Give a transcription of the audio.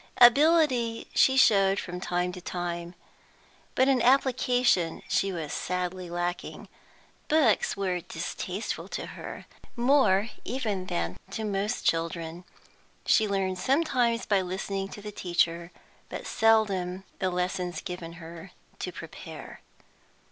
Ability she showed from time to time, but in application she was sadly lacking. Books were distasteful to her, more even than to most children; she learned sometimes by listening to the teacher, but seldom the lessons given her to prepare.